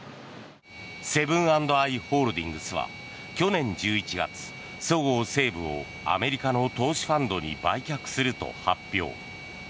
セブン＆アイ・ホールディングスは去年１１月、そごう・西武をアメリカの投資ファンドに売却すると発表。